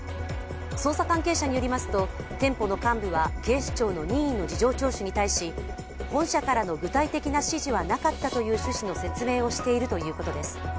捜査関係者によりますと、店舗の幹部は警視庁の任意の事情聴取に対し本社からの具体的な指示はなかったという趣旨の説明をしているということです。